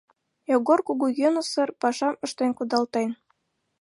Йогор кугу йӧнысыр пашам ыштен кудалтен...